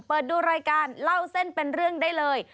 เปิดดูรายการเล่าเส้นเป็นเรื่องได้เลย